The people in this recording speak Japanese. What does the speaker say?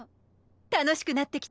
楽しくなってきた？